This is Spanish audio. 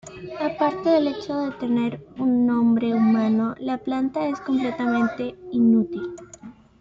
Aparte del hecho de tener un nombre humano, la planta es completamente inútil.